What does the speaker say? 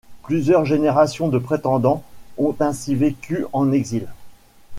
Plusieurs générations de prétendants ont ainsi vécu en exil.